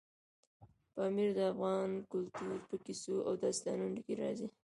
پامیر د افغان کلتور په کیسو او داستانونو کې راځي.